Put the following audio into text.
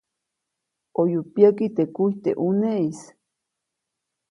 ʼOyu pyäki teʼ kuy teʼ ʼuneʼis.